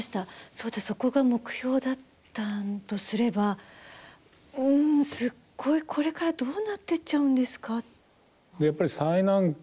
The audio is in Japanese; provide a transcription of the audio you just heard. そうだ、そこが目標だったとすればすごいこれからどうなっていっちゃうんですか。